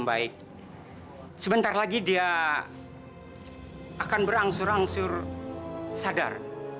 baik sebentar lagi dia akan berangsur angsur sadar